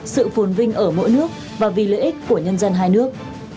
sự phồn vinh ở mỗi nước và vì lợi ích của nhân dân hai nước